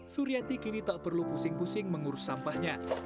suryati kini tak perlu pusing pusing mengurus sampahnya